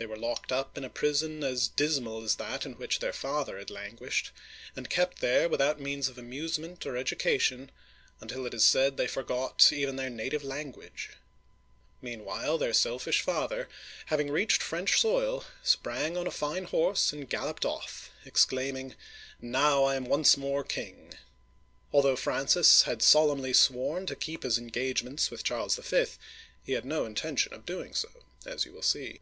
They were locked up in a prison as dismal as that in which their father had languished, and kept there without means of amusement or education, until it is said they forgot even their native language ! Meanwhile, their selfish father, having reached French soil, sprang on a fine horse and galloped off, exclaiming, " Now I am once more king !" Although Francis had solemnly sworn to keep his engagements with Charles V., he had no intention of doing so, as you will see.